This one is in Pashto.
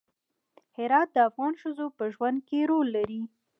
هرات د افغان ښځو په ژوند کې رول لري.